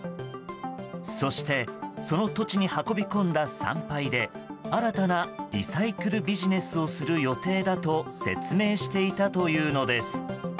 そしてその土地に運び込んだ産廃で新たなリサイクルビジネスをする予定だと説明していたというのです。